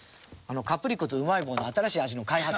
カプリコとうまい棒の新しい味の開発。